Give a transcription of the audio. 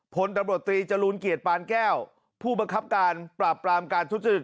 พลตำรวจตรีจรูลเกียรติปานแก้วผู้บังคับการปราบปรามการทุจริต